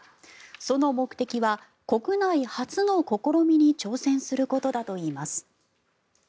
その目的は国内初の試みに挑戦することだと言います。